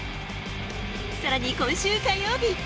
さらに今週火曜日。